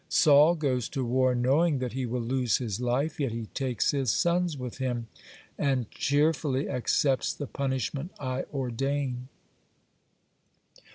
Saul goes to war knowing that he will lose his life, yet he takes his sons with him, and cheerfully accepts the punishment I ordain."